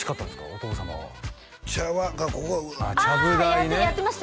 お父様は茶碗がここああやってました